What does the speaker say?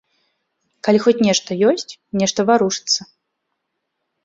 Калі хоць нешта ёсць, нешта варушыцца.